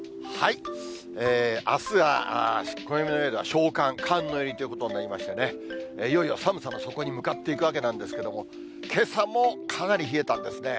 あすは暦の上では小寒、寒の入りということになりましてね、いよいよ寒さの底に向かっていくわけなんですけれども、けさもかなり冷えたんですね。